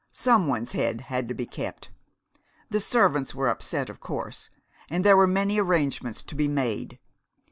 Some one's head had to be kept. The servants were upset, of course, and there were many arrangements to be made.